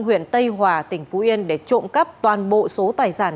huyện tây hòa tỉnh phú yên để trộm cắp toàn bộ số tài sản